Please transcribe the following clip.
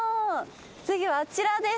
次はあちらです。